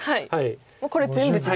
もうこれ全部地と。